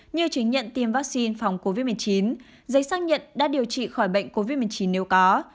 như chứng nhận tiêm vaccine phòng covid một mươi chín giấy xác nhận đã điều trị khỏi bệnh covid một mươi chín nếu có